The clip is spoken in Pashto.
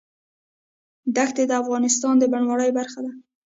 دښتې د افغانستان د بڼوالۍ برخه ده.